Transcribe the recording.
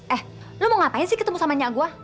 eh lo mau ngapain sih ketemu sama nyak gue